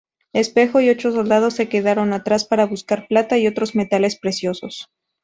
Espejo y ocho soldados se quedaron atrás para buscar plata y otros metales preciosos.